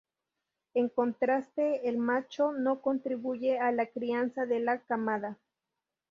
En contraste, el macho no contribuye a la crianza de la camada.